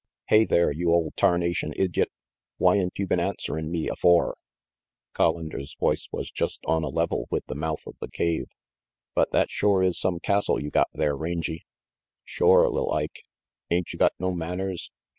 "Hey there, you ole tarnation idyot, whyn't you been answerin' me afore?" Collander's voice was just on a level with the mouth of the cave. "But that shore is some castle you got there, Rangy "Shore, li'l Ike. Ain't you got no manners?